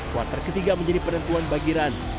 quarter ke tiga menjadi penentuan bagi rans